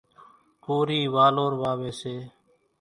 ڪورِي والور واويَ سي۔